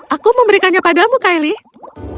aku mau berikannya padamu kylie